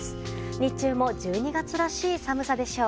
日中も１２月らしい寒さでしょう。